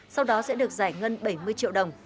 sau đó sẽ được giải ngân bảy mươi triệu đồng